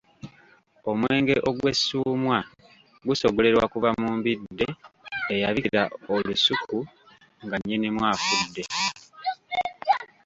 Omwenge ogwessuumwa gusogolebwa kuva mu mbidde eyabikira olusuku nga nnyinimu afudde.